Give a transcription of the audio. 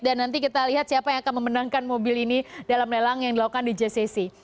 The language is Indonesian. dan nanti kita lihat siapa yang akan memenangkan mobil ini dalam lelang yang dilakukan di jcc